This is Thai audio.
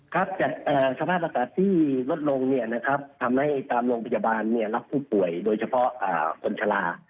ครับแต่สภาพอากาศที่ลดลงเนี่ยนะครับทำให้ตามโรงพยาบาลเนี่ยรับผู้ป่วยโดยเฉพาะคนชะลา